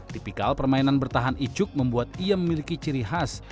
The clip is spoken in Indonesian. tipikal permainan bertahan icuk membuat ia memiliki ciri khas